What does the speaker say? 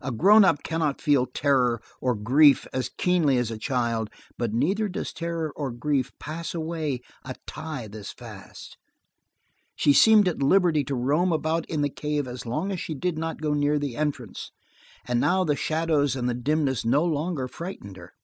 A grownup cannot feel terror or grief as keenly as a child, but neither does terror or grief pass away a tithe as fast. She seemed at liberty to roam about in the cave as long as she did not go near the entrance, and now the shadows and the dimness no longer frightened her.